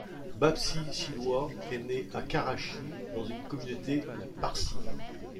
Bapsi Sidhwa est née à Karachi, dans une communauté parsi.